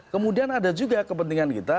kemudian ada juga kepentingan kita